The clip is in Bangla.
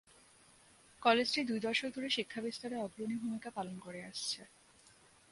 কলেজটি দুই দশক ধরে শিক্ষা বিস্তারে অগ্রণী ভূমিকা পালন করে আসছে।